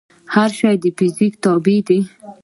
هر شی د فزیک تابع دی.